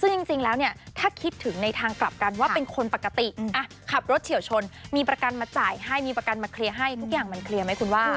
ซึ่งจริงแล้วเนี่ยถ้าคิดถึงในทางกลับกันว่าเป็นคนปกติขับรถเฉียวชนมีประกันมาจ่ายให้มีประกันมาเคลียร์ให้ทุกอย่างมันเคลียร์ไหมคุณว่า